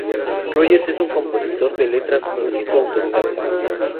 Rogers es un compositor de letras y músico autodidacta.